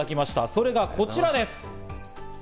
それがこちらです。